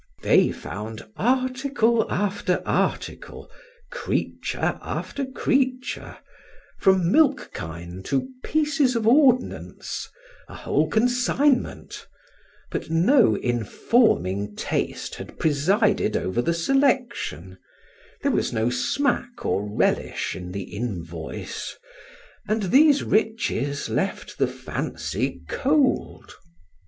They found article after article, creature after creature, from milk kine to pieces of ordnance, a whole consignment; but no informing taste had presided over the selection, there was no smack or relish in the invoice; and these riches left the fancy cold.